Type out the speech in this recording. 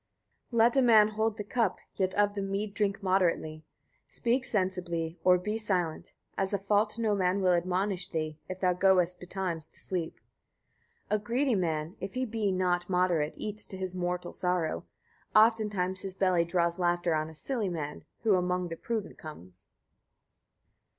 19. Let a man hold the cup, yet of the mead drink moderately, speak sensibly or be silent. As of a fault no man will admonish thee, if thou goest betimes to sleep. 20. A greedy man, if he be not moderate, eats to his mortal sorrow. Oftentimes his belly draws laughter on a silly man, who among the prudent comes.